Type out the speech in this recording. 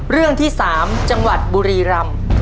เรื่องที่๓จังหวัดบุรีรำ